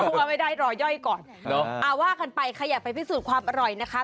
ว่าไม่ได้รอย่อยก่อนว่ากันไปใครอยากไปพิสูจน์ความอร่อยนะคะ